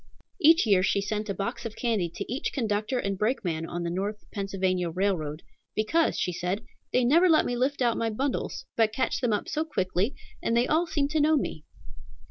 Each year she sent a box of candy to each conductor and brakeman on the North Pennsylvania Railroad, "Because," she said, "they never let me lift out my bundles, but catch them up so quickly, and they all seem to know me."